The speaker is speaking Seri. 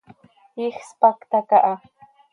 Iij spacta caha.